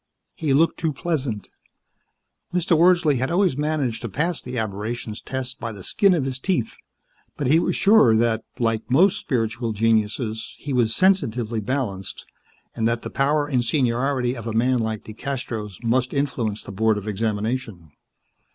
He looked too pleasant. Mr. Wordsley had always managed to pass the Aberrations Test by the skin of his teeth, but he was sure that, like most spiritual geniuses, he was sensitively balanced, and that the power and seniority of a man like DeCastros must influence the Board of Examination.